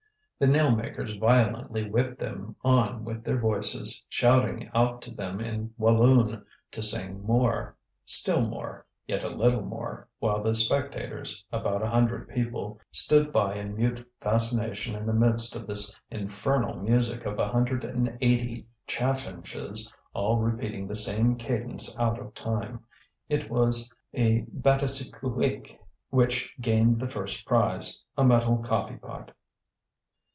The nail makers violently whipped them on with their voices, shouting out to them in Walloon to sing more, still more, yet a little more, while the spectators, about a hundred people, stood by in mute fascination in the midst of this infernal music of a hundred and eighty chaffinches all repeating the same cadence out of time. It was a batisecouic which gained the first prize, a metal coffee pot.